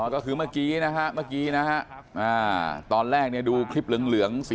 ก็คือเมื่อกี้นะฮะเมื่อกี้นะฮะตอนแรกเนี่ยดูคลิปเหลือง